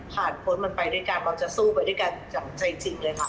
พ้นมันไปด้วยกันเราจะสู้ไปด้วยกันจากใจจริงเลยค่ะ